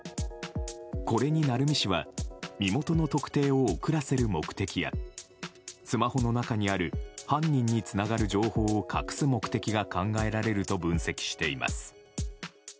これに鳴海氏は身元の特定を遅らせる目的やスマホの中にある犯人につながる情報を隠す目的が考えられると分析しています。